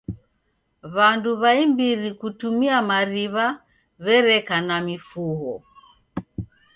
W'andu w'aimbiri kutumia mariw'a w'ereka na mifugho.